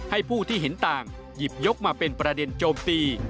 ผู้ที่เห็นต่างหยิบยกมาเป็นประเด็นโจมตี